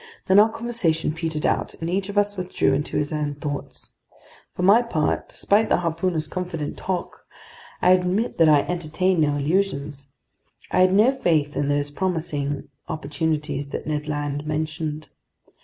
Then our conversation petered out, and each of us withdrew into his own thoughts. For my part, despite the harpooner's confident talk, I admit that I entertained no illusions. I had no faith in those promising opportunities that Ned Land mentioned.